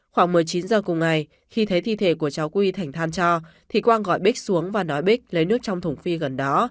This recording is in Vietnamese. khoảng một mươi chín giờ cùng ngày khi thấy thi thể của cháu quy thành than cho thì quang gọi bích xuống và nói bích lấy nước trong thùng phi gần đó